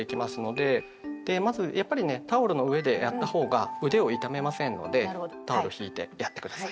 でまずやっぱりねタオルの上でやった方が腕を痛めませんのでタオルをひいてやって下さい。